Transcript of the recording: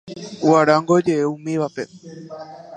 Guarango ojeʼe umívape.